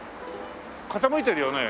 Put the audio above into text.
傾いてるよね。